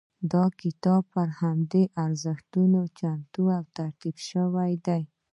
دا کتاب پر همدې ارزښتونو چمتو او ترتیب شوی دی.